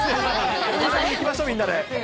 お花見に行きましょう、みんなで。